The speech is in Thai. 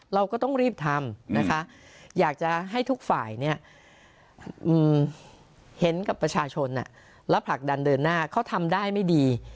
เราก็ต้องรีบทำนะคะอยากจะให้ทุกฝ่ายเห็นกับประชาชนและผลักดันเดินหน้าเขาทำได้ไม่ดี